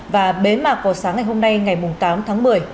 và bế mạc vào sáng ngày hôm nay ngày tám tháng một mươi